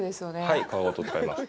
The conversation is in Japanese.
はい、皮ごと使います。